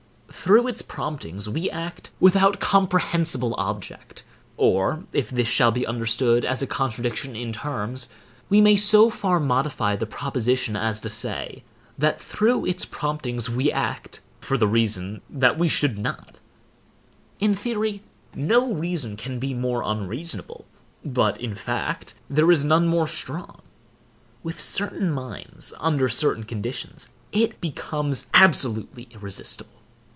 Through its promptings we act without comprehensible object; or, if this shall be understood as a contradiction in terms, we may so far modify the proposition as to say, that through its promptings we act, for the reason that we should not. In theory, no reason can be more unreasonable, but, in fact, there is none more strong. With certain minds, under certain conditions, it becomes absolutely irresistible.